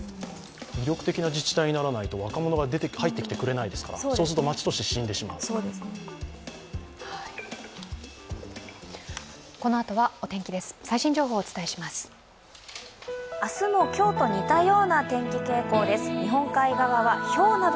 魅力的な自治体にならないと若者が入ってきませんからそうすると街として死んでしまう。